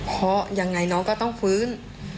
พ่อยังไงเนี้ยต้องพื้น